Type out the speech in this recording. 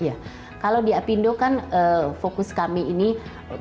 iya kalau di apindo kan fokus kami ini